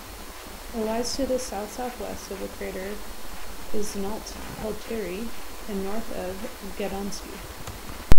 It lies to the south-southwest of the crater Esnault-Pelterie, and north of Gadomski.